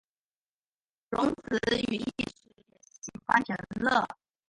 荣子与义持也喜欢田乐。